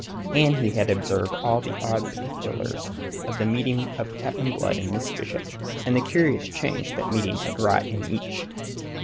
And he had observed all the odd particulars of the meeting of Captain Blood and Miss Bishop, and the curious change that meeting had wrought in each.